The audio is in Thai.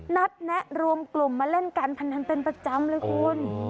แนะรวมกลุ่มมาเล่นการพนันเป็นประจำเลยคุณ